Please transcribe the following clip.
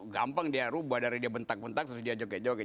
gampang dia rubah dari dia bentak bentak terus dia joget joget